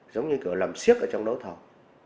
giống như kiểu làm siếc ở trong đấu thầu